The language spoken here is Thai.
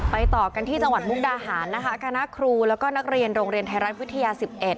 ต่อกันที่จังหวัดมุกดาหารนะคะคณะครูแล้วก็นักเรียนโรงเรียนไทยรัฐวิทยา๑๑